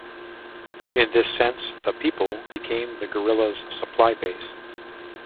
In this sense, "the people" become the guerrillas supply base.